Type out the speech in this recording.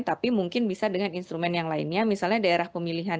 tapi mungkin bisa dengan instrumen yang lainnya misalnya daerah pemilihan